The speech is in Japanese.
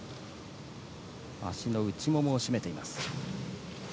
足の内ももをしめています。